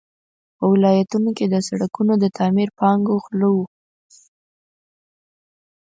په ولایتونو کې د سړکونو د تعمیر پانګو غله وو.